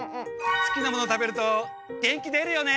すきなものをたべるとげんきでるよね！